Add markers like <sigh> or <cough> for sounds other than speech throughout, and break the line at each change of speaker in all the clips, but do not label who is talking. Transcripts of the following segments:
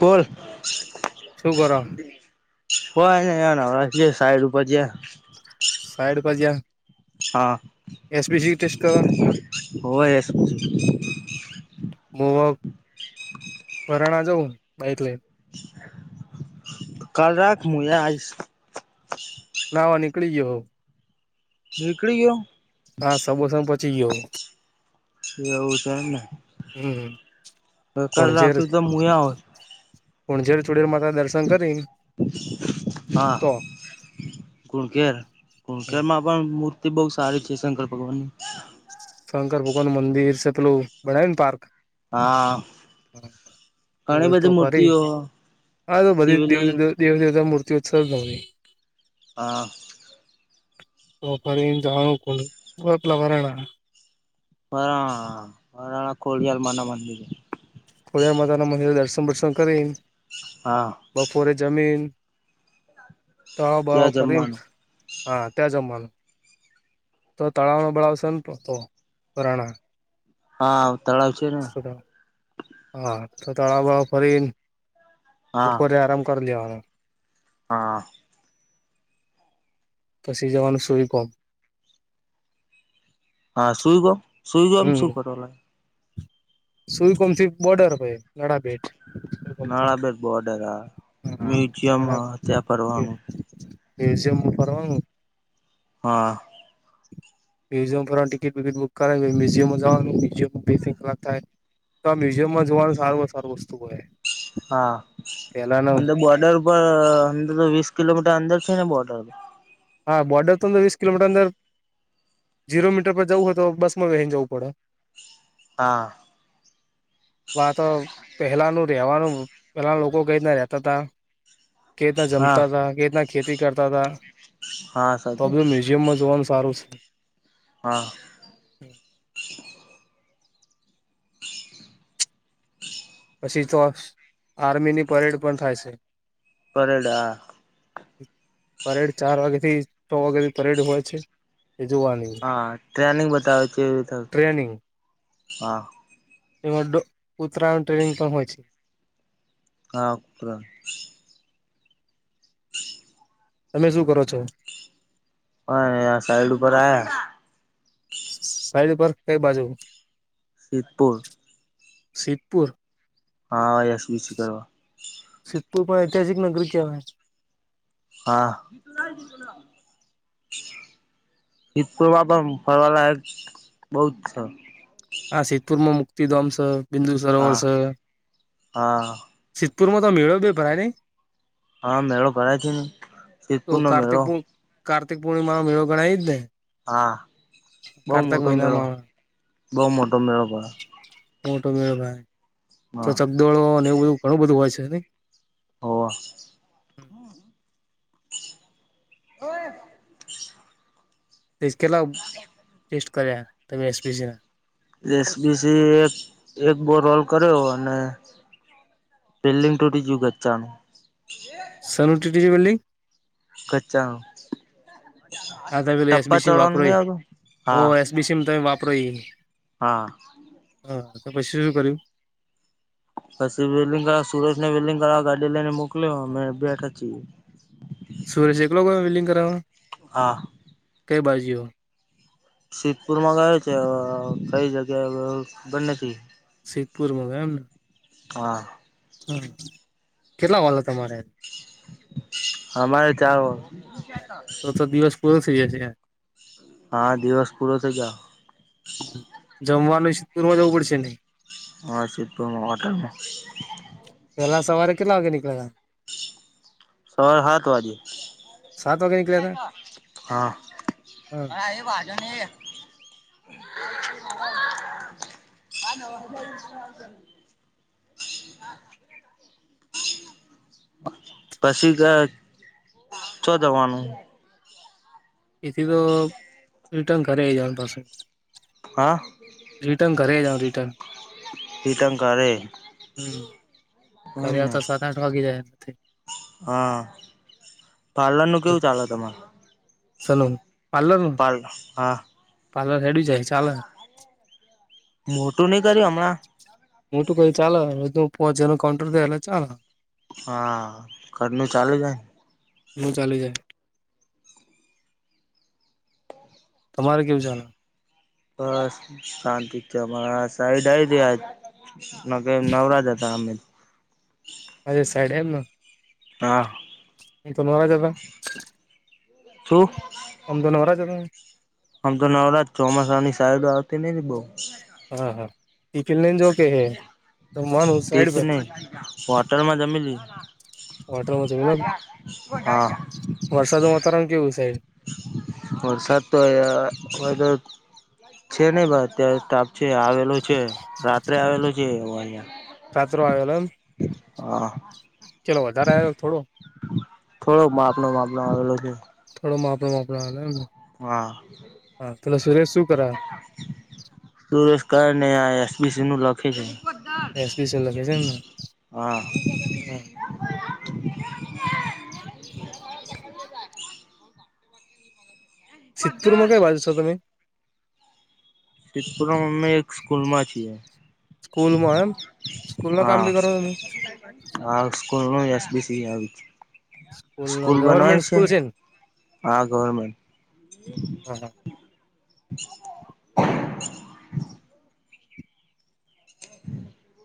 બોલ.
શું કરો
કોય નહીં ને હવર થી સાઈડ ઉપર જ્યાં.
સાઈડ પજ્યા?
હા
કરો
હોએસ.
મોવાક ભરાણા જઉં બા એકલે.
કાલ રાખ મુયા આઈશ.
નાવા નીકળી ગયો.
નીકળી ગ્યો.
હા, સબોસા માં પચી ગ્યો.
એવું છે એમ ને.
હમ
તો કાલ રાખ્યું તો મુયા હો.
પુંજેર ચુેર માતા દર્શ
હા,
તો
કુણકેર કુણકેર
હમ્મ
માં. પણ મૂર્તિ બહુ સારી છે શંકર ભગવાન ની.
શંકર ભગવાન નું મંદિર છે પેલું બનાય ને પાર્ક
હા,
એ
ઘણી
બધું તો
બધી
ફરી
મૂર્તિઓ
હા તો બધી દેવ
શિવલિંગ
દેવ દેવતા મૂર્તિ ઉત્સવ નવની.
હા.
તો ફરી જ આવનું કો ગપલા વરાણા.
વરા વરાણા કોળિયાલ માં ના મંદિરે.
ખોરડીયાર માતાના મંદિર દર્શન વર્શન કરીન
હા.
બપોરે જમીન તડાવ બડાવ
ત્યાં
ફરી.
જમવાનું
હા ત્યાં જમવાનું તો તળાવનો બળાવશે હશેન તો રાણા
હા તળાવ છે. ને
હા તો તળાવ બળાવ ફરી.
હા
ઉપરે આરામ કરી લેવાનું.
હા.
પછી જવાનું સુઈ કોમ
હા સુઈ ગો સુઈ ગો એમ શું કરો લા.
સુઈ કોમથી બોર્ડર ભાઈ ગડા ભેટ.
નાળાબેર બોર્ડર હ
હા
મ્યુઝિયમ હત્યા કરવાનું
મ્યુઝિયમમાં ફરવાનું
હા.
મ્યુઝામ પર ટિકિટ વિકિટ બુક કરાવી મ્યઝમમાં જવાનું મઝમમાં બે થી કલાક થાય. તો આ મ્યુઝિયમમાં જોવાનું સારું સારું વસ્તુ હોય.
હા
પેલાના
અ બોર્ડર. ર અંદર તો વીસ કિલોમીટર અંદર છે ને બોર્ડર
હા બોર્ડર તો વીસ કલોમીટર અંદર જીરો મીટર પર જવું હોય તો બસમાં બેહી ને જવું પડે.
હા.
<inaudible> વા તો પહેલાનું રહેવાનું પહેલા લોકો કઈ ના રતા હતા. કેતા
હા
જમતા હતા કેટલા ખેતી કરતા હતા.
હા સર.
તો બી મ્યુઝિયમમાં જોવાનું સારું છે.
હા.
પછી તો આર્મીની પરેડ પણ થાય છે.
પરેડ આ.
પરેડ ચાર વાગ્યા થી છ વાગ્યાથી પરેડ હોય છે. એ જોવાની
હા ટ્રેનિંગ બતાવે છે ત
ટ્રેનિંગ
હા.
એમા તો ઉત્તરાયણ ટ્રેનિંગ પણ હોય છે.
<unintelligible>
તમે શું કરો છો.
અય આ સાઈડ ઉપર આયા
સાઈડ ઉપર કઈ બાજુ
સિદ્ધપુર.
સિધ્ધપુર.
હા <unintelligible>
સિદ્ધપુર પણ ઐતિહાસિક નગરી કેવાય.
હા. સિદ્ધપુર માં પણ ફરવાલાયક બહુ છે.
હા સિદ્ધપુર માં મુક્તિધામ સ બિંદુ સરોવર
હા
સે
હા
સિદ્ધપુરમાં તો મેળો બી ભરાય નઈ.
હા મેળો ભરાય છે ને
તો
સિદ્ધપુર નો
કાર્તિક
મેળો.
કાર્તિક પૂર્ણિમાનો મેળો ભરાય એજ ને.
હા, બહુ
કારતક
મોટો મેળો,
મહિનામાં
બઉ મોટો મેળો.
મોટો મેળો ભાઈ તો,
હા
ચકદોળો અને એવું બધું, ઘણું બધું હોય છે નઈ.
હોવ. હમ્મ. <unintelligible>
ટેસ્ટ કર્યા, તમે એસપીસી ના.
એસબીસી એક-એક બો રોલ કર્યો, અને <unintelligible>
બિલ્ડીિંગ.
કંચા આમ.
હા, તમે પેલી એસબીસીમાં વાપરો એ
આવતું
હો,
હા
એસબીસીમાં તમે વાપરો એ.
હા.
હા, તો પસી શું કર્યું?
પસી વેલિંગવાળા સુરજ ને, વેલિંગાળા ગાડી લઈને મોકલયો, અમે બેઠા છીએ.
સુરેશ એકલો ગયો, વેલિંગ કરાવવા.
હા.
કઈ બાજ્યો.
સિદપુર માં ગયો છે, કઈ જગ્યા ખબર નથી.
સિદ્ધપુર માં ગ્યો, એમ ને.
હા.
હમ્મ, કેટલા વાલા તમારે.
હમારે ચાર.
તો તો દિવસ પૂરો થઈ જાશે.
હા, દિવસ પૂરો થઈ જાહો.
જમવાનુંય સિદ્ધપુરમાં જવું પડશે નય.
હા, સિદ્ધપુર માં હોટલે.
પેલા સવારે કેટલા વાગે નીકળેલા.
સાવાર હાત વાજે.
હતા સાત વાગે નીકળ્યા હતા
હ
હા
<unintelligible>
<unintelligible>
<unintelligible> <unintelligible> ચો જવાનું.
એથી તો રિટર્ન ધરે આઈ જવાનું પાસું.
હા.
રિટર્ન કર જ, જાવ રિટર્ન.
હીતા કારારે.
હમ, ઘરે વા તો સાત-આઠ વાગી જાય એ.
હા, પાર્લર નું કેવું ચાલે તમારે?
સન પાર્લર
પાર્લ હા
પાર્લર હેડ જાય, ચાલર.
મોટું નઈ કર્યું, હમણાં.
મોટું કો ચાલ, રોજ પોવા જજ નો કઉન્ટર દલા ચાલ.
હા, કરરમી ચાાલુ જાય.
નું ચાલી જાય. તમારે કેવું જાણ?
બસ શાંતિ છે મારા સાઈડ આઈ ત્યાં આજ ન કે નવરાજ હતા અમે
અરે સાઈડ એમ ન
હા
જ હતા
શું
ઓમ તો નવરાજ હતા ને
આમ તો નવરાત ચોમાસાની સાયડ આવતી નહિ ને બઉ
હા હા <unintelligible> ને જો કે હે માનું સાઈડ પર
<unintelligible> હોટેલ માં જમી લીધું
હોટલમાં જમી લો
હા
વરસાદનું વાતાવરણ કેવું છે ઈ સાઈડ
વરસાદ તો હે આર વરસાદ છે નહિ ભાઈ અત્યારે સ્ટાફ છે આવેલો છે રાત્રે આવેલો છે એવુ અહીંયા
તાત્રો આવેલો એમ
હા.
ચલો વધારે આયો થોડો
થોડોક માપનો માપનો આવેલો છે.
થોડો માપનો માપનો આવેલો એમને
હા
હા પેલો સુરેશ શું કર
<inaudible> સુરેશ કાઈ ને આયા ઓ બી સી નું લખે છે.
એ સ્પેશયલ જ છે ને એમ
હા. <inaudible>
હા સિદ્ધપુરમાં કઈ બાજુ છો તમે
સિદ્ધપુરમાં અમે એક સ્કૂલ માં છીએ
સ્કૂલ માં એમ સ્કૂલ નું કામ
હા
ભી કરો તમે
હા સ્કૂલ નું એસ બી સી આવી છે.
સ્કૂલનું
સ્કૂલ બનવાય
ગવર્મેન્ટ
છે
સ્કૂલ ને
હા ગવર્મેન્ટ
હા હા.
<inaudible>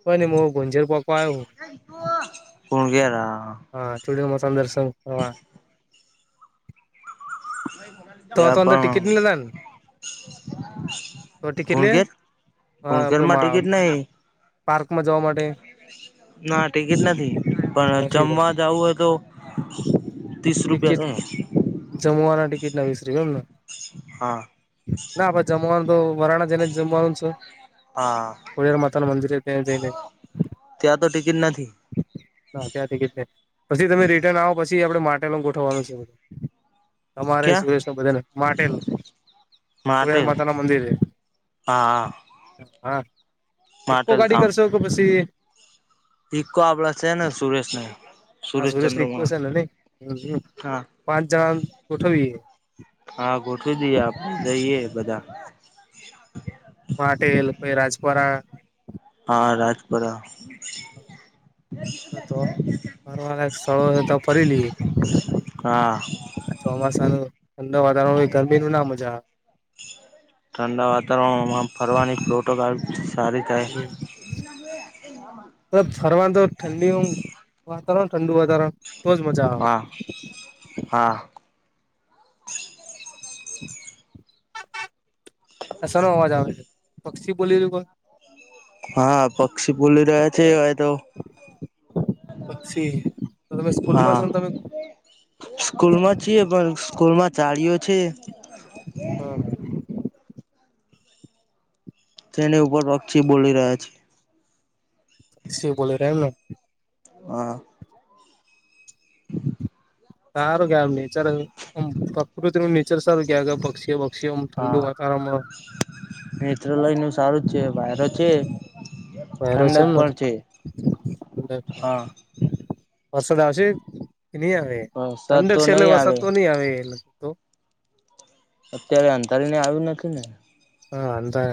બને મુ <unintelligible>
કુણઘેર હા
હા ચૂડી માસ દર્શન કરવા તો
ત્યાં
તો અંદર
પણ
ટિકિટ નહી લેતા ને તો ટિકિટ લે
કુણઘેર કુણઘેરમાં ટિકિટ નહી
પાર્કમાં જવા માટે
ના ટિકિટ નથી પણ
નથી તો
જમવા જાઉં હોય તો ત્રીસ રૂપિયા
ટિકિટ
થાય
જમવાના ટિકિટ ના વિસ રૂપિયા એમને
હા.
ના આપ જમવાનું તો વરાણા જઈને જમવાનું છે.
હા
ખોડીયાર માતાના મંદિરે ત્યાં જઈ ને
ત્યાં તો ટિકિટ નથી
હા ત્યાં ટિકિટ નહિ પછી તમે રિટર્ન આવો પછી આપડે માટેનું ગોઠવવાનું છે. અમારે
ક્યાં
સુરેશ ને બધાન માટેન ખોડીયાર
માટેલ
મતાાના મંદિર એ
હા હા
હા ઈકકો
માટેલ
ગાડી
ધામ
કરશો કે પછી
ઈકો આપડા છે ને સુરેશ ને
હા સુરેશ રિકું છે અને
હા
પાંચ જણા ગોઠવીએે
હા ગોઠવી દઈએ આપે જઈએ બધા. <inaudible>
પાટેલ પઈ રાજપરા
હ રાજપરા
તો ફરવાલાયક સ્થળો તો ફરી લઈએ
હા
ચોમાસા નું ઠંડુ વાતાવરણ હોય ગરમી નું ના મજા
ઠંડા વાતાવરણમાં ફરવાની પ્રોટો <unintelligible> સારી. થાય
<unintelligible> ફરવા તો ઠંડીઓમ વાતાવરણ ઠંડુ વધાર
હા હા.
આ શેનો અવાજ આવે પક્ષી બોલીલું કો
હા પક્ષી ભૂલી રહ્યા છે એતો
પક્છી તો તમે સ્કૂલ માં શોન તમે
સ્કૂલ માં છીએ પણ સ્કૂલ માં જાળીઓ છે
હ
તેની ઉપર પક્છી બોલી રહ્યા છે
શું બોલે રા એમન.
હા.
સારું કેવાય નેચરમ પ્રકૃતિ નું નેચર સરું કે પક્ષીઓ <unintelligible> ઠંડુ
હા
વાતાવરણમાં
નેચરલ અહીં નું સારું જ છે વાયરો છે
વાયરો છે
ઠંડક
એમન
પણ હા
વરસાદ આવશે કે ની આવે
વરસાદ તો
ઠંડક્ષ એટલે
નહી
વરસાદ
આવે
તો નહી આવે લગભગ
અત્યારે અંધારી ને આવ્યું નથી ને
હા અંધાએ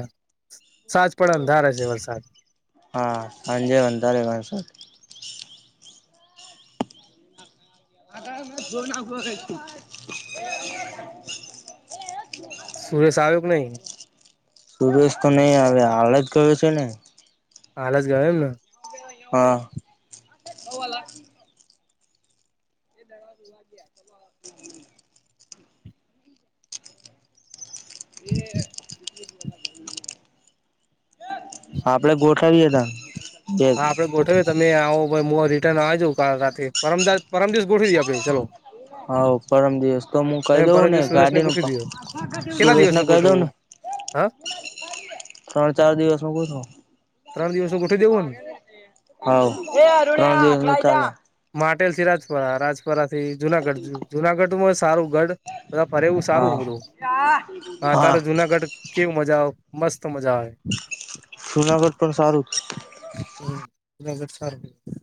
સાહજ પડ અંધારા છે વરસાદ
હા હાંજે અંધારે વરસાદ આ <inaudible> જોના ખોરેતી <inaudible>
સુરેશ આયો કે નઈ
સુરેશ તો નઈ આવે હાલ જ ગયો છે ને
હાલ જ ગયો એમ ન
હા <inaudible> <inaudible> બે વાગ્યા એઅ આપડે ગોઠવી એ તાણ
હા આપડે ગોઠવીએ તમે આવો મુઆ રિટર્ન આઈ જાઉ કાલ રાતે પરમદાળ પરમદિવસ ગોઠવી દીએ આપડે ચલો
હઓ પરમ દિવસ તો હું કહી
તમે
દઉં
પરમ
ને
દિવસ સુરેશને
ગાડીનું ક
ગોઠવી દયો
સુરેશને કઈ દઉને
હ
ત્રણ ચાર દિવસમ હું <inaudible>
પરમદિવસ એ ગોઠવી દેવું અન
હઓ પરમદિવસે <inaudible>
માટે સિરાજપરા થી રાજપરા રાજપરા થી જુનાગઢ જુનાગઢમાં સારું ગઢ બધા ફરે એવું
હા
સારું બધું હા તારે જુનાગઢ. કેવું મજા આવ મસ્ત મજા આવે.
જુનાગઢ પણ સારું.
હમ, હ, જૂનાગઢ સારુ કેવાય.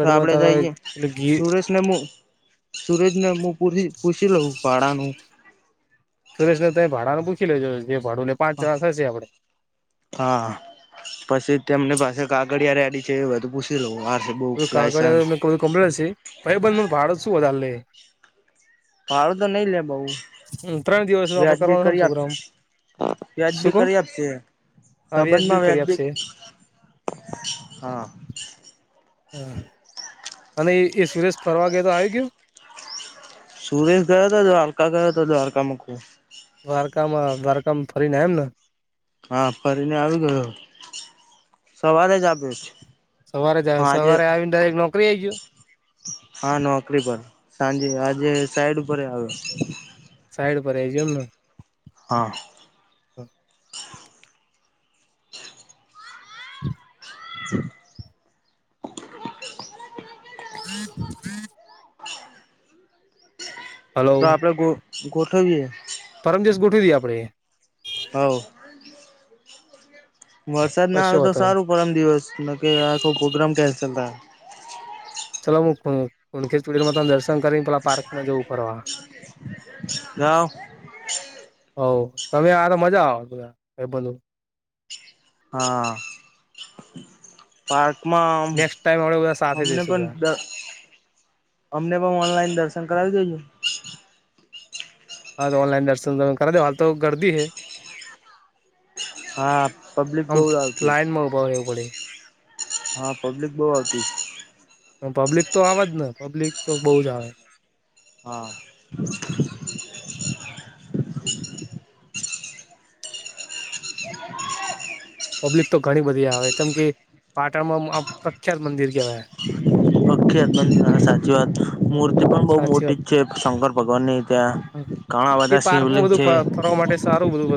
તો આપડે
તારા
જાઈએ
એટલે ગી
સુરેશ. ને મુ સુરેજને, પૂછી લઉં ભાડાનું.
સુરેશને તાઈ ભાડાને પૂછી લેજો, જે ભાડુ પાંચ જણા થશે, આપડે.
હા, પછી તેમની પાસે કાગડીયા રેડી છે, એ બધું પૂછ બુક લાયસન્સ.
ભાઈબંધ નું ભાડો શું વધારે લે?
ભાડું તો નઈ લે બઉ.
હમ ત્રણ દિવસનો આપડે
વ્યાજ બી
કરવાનો છે
કરી આપશે,
પ્રોગ્રામ
વ્યાજ
શું
બી કરી
કહ
આપશે.
વ્યાજ બી
સંબંધમાં
કરી
વ્યાજબી
આપશે
હા.
હા, અને એ એ સુરેશ ફરવા ગ્યો તો, આવી ગ્યો.
સુરેશ ગયો હતો, દ્વારકા ગયો હતો, દ્વારકા મુખ
દ્વારકામાં દ્વારકામ ફરીને એમ ને.
હા, ફરીને આવી ગયો, સવારે જ આપ્યો છે.
સવારે જ આયો,
હા આજે
સવારે આવીને, ડાયરેક્ટ નોકરી એ ગયો.
હા, નોકરી પર સાંજે આજે સાઈડ ઉપર એ આવ્યો.
સાઈડ પર એ જ એમ ને.
હા.
<unintelligible>
આ <unintelligible>
<unintelligible> હલો
તો આપડે ગો ગોઠવીએ.
પરમ દિવસ ગોઠવીએ આપડે.
હા, ઓ. વરસાદ ના
કશો
આવે તો
વાંધો નઈ
સારું, પરમ દિવસ ન કે, આખો પ્રોગ્રામ કેન્સલ થાહે.
ચલો, હું કુ કુણખે તમાર તા દર્શન કરીને પેલા પાર્કમાં જવું ફરવા.
જાવ.
હઓ, તમે આ તો મજા આવત બધા એ બધું.
હા. પાર્કમાં
નેક્સ્ટ ટાઈમ આપડે બધા
અમ
સાથે
અમને
જઈશું
પણ
બધા
દ અમને પણ ઓનલાઈન દર્શન કરાવી દઈજું.
હા, તો ઓનલાઇન દર્શન કરાઇ દેવા, હાલ તો ગરદી હે.
હા પબ્લિક બહુ
આમ
આવતી
લાઈનમાં ઉભા રેહવું પડે.
હા, પબ્લિક બહુ આવતી.
પણ પબ્લિક તો આવજ ને, પબ્લિક તો બઉ જ આવે.
હા.
પબ્લિક તો ઘણી બધી આવે, ચમ કે પાટણમાં આ પ્રખ્યાત મંદિર કહેવાય.
પ્રખ્યાત મંદિર આવે, સાચી વાત,
હા
મૂર્તિ પણ બહુ
સાચી
મોટી
વાત
જ છે, શંકર ભગવાન ની ત્યાં. ઘણા
એ
બધા
પાર્કમાં
શિવલિંગ
બધું
છે.
ફરવા માટે સારું બધું.